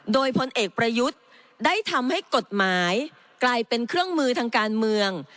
โดยพลเอกประยุทธ์ได้ทำให้กฎหมายกลายเป็นเครื่องมือทางการเมือง